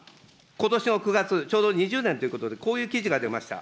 ことし９月、ちょうど２０年ということで、こういう記事が出ました。